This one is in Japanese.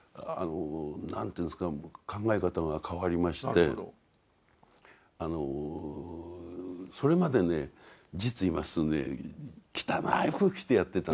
何ていうんですか考え方が変わりましてそれまでね実を言いますとね汚い服着てやってたんです。